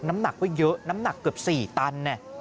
น้ำหนักก็เยอะน้ำหนักเกือบ๔ตัน